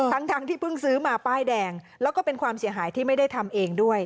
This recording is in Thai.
ทั้งที่เพิ่งซื้อมาป้ายแดงแล้วก็เป็นความเสียหายที่ไม่ได้ทำเองด้วย